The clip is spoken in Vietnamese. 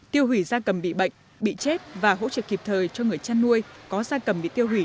tiêu hủy gia cầm bị bệnh bị chết và hỗ trợ kịp thời cho người chăn nuôi có gia cầm bị tiêu hủy